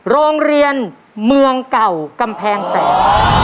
โรงเรียนเมืองเก่ากำแพงแสน